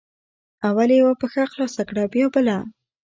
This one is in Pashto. اول یې یوه پښه خلاصه کړه بیا بله